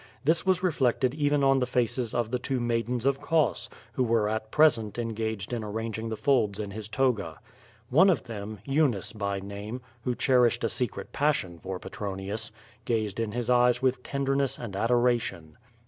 This was refiected even on the faces of the two maidens of Cos, who were at present engaged in arranging the folds in his toga. One of them, Eunice by name, who cherished a secret passion for Petronius, gazed in his eyes with tenderness and adoration.